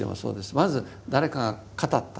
まず誰かが語った。